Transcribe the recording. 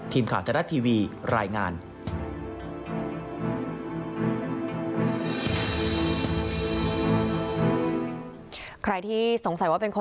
ทีมข่าวทะเลาะทีวีรายงาน